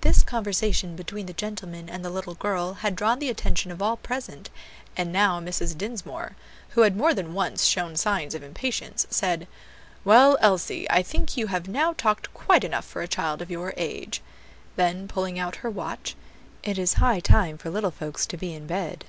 This conversation between the gentleman and the little girl had drawn the attention of all present; and now Mrs. Dinsmore, who had more than once shown signs of impatience, said, "Well, Elsie, I think you have now talked quite enough for a child of your age." Then, pulling out her watch, "It is high time for little folks to be in bed."